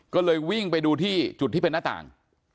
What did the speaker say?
ก็เลยวิ่งไปดูที่จุดที่เป็นหน้าต่าง